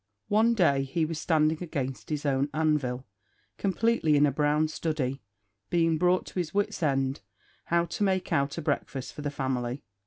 One day he was standing against his own anvil, completely in a brown study being brought to his wit's end how to make out a breakfast for the family.